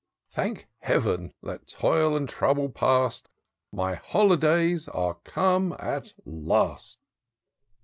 Thank Heaven, that toil and trouble past, My holidays axe come at last!